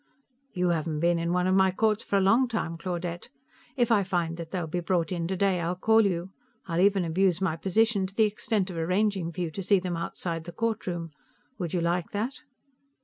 "You haven't been in one of my courts for a long time, Claudette. If I find that they'll be brought in today, I'll call you. I'll even abuse my position to the extent of arranging for you to see them outside the courtroom. Would you like that?"